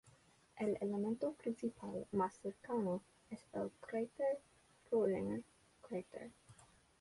El elemento principal más cercano es el cráter Schrödinger crater.